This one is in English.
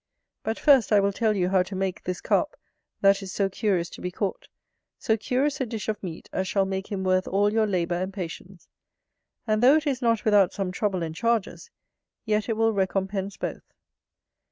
But, first, I will tell you how to make this Carp, that is so curious to be caught, so curious a dish of meat as shall make him worth all your labour and patience. And though it is not without some trouble and charges, yet it will recompense both.